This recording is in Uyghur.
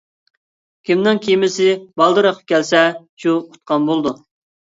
كىمنىڭ كېمىسى بالدۇر ئېقىپ كەلسە، شۇ ئۇتقان بولىدۇ.